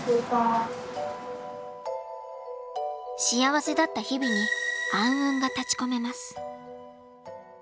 幸せだった日々に暗雲が立ちこめます。